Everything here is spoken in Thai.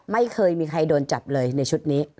ไม่เคยมีใครโดนจับเลยในชุดนี้